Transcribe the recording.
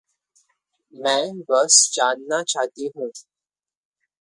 मैं बस जानना चाहती हूँ।